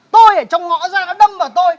tôi ở trong ngõ ra nó đâm vào tôi